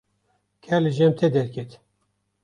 ker li cem te derket.